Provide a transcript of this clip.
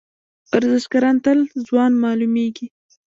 ورزشکاران تل ځوان معلومیږي.